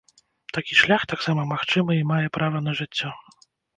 Такі шлях таксама магчымы і мае права на жыццё.